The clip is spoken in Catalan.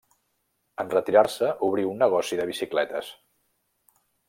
En retirar-se obrí un negoci de bicicletes.